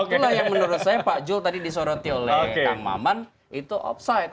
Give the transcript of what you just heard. itulah yang menurut saya pak jokowi tadi disuruh oleh kang maman itu off site